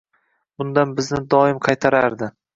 Bundan bizni doim qaytarardi.